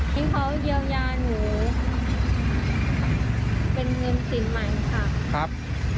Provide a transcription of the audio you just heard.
ให้เขาเยียวยาหนูเป็นเงินสินใหม่ค่ะครับ